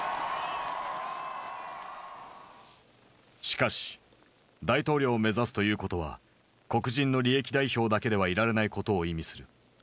しかし大統領を目指すということは黒人の利益代表だけではいられないことを意味する。